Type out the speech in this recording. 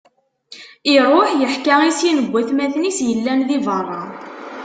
Iṛuḥ iḥka i sin n watmaten-is yellan di beṛṛa.